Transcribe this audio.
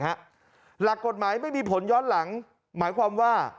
หลักกฎหมายไม่มีผลย้อนหลังหมายความว่า